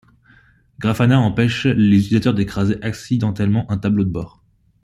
Grafana empêche les utilisateurs d’écraser accidentellement un tableau de bord.